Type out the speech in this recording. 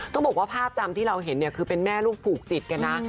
ต้องบอกว่าภาพจำที่เราเห็นเนี่ยคือเป็นแม่ลูกผูกจิตกันนะ